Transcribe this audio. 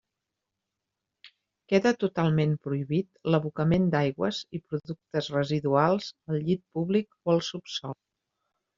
Queda totalment prohibit l'abocament d'aigües i productes residuals al llit públic o al subsòl.